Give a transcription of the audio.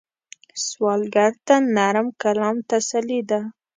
سوالګر ته نرم کلام تسلي ده